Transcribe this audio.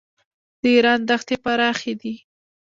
د ایران دښتې پراخې دي.